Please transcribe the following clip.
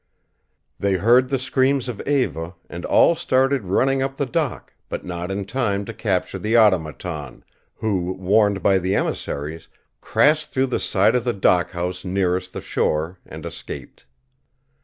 They heard the screams of Eva, and all started running up the dock, but not in time to capture the Automaton, who, warned by the emissaries, crashed through the side of the dock house nearest the shore and escaped.